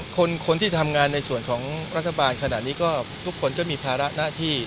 คนที่ทำงานในส่วนของรัฐบาลขนาดนี้ก็ทุกคนก็มีภาระหน้าที่